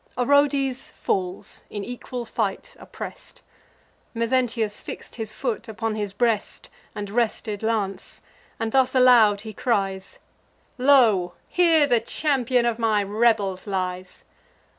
Orodes falls, in equal fight oppress'd: Mezentius fix'd his foot upon his breast, And rested lance; and thus aloud he cries: "Lo! here the champion of my rebels lies!"